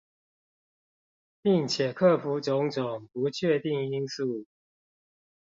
並且克服種種不確定因素